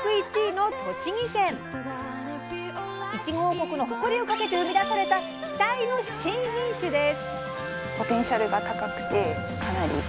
いちご王国の誇りをかけて生み出された期待の新品種です。